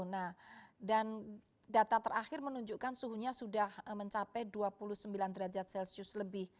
nah dan data terakhir menunjukkan suhunya sudah mencapai dua puluh sembilan derajat celcius lebih